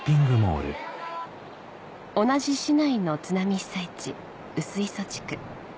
同じ市内の津波被災地薄磯地区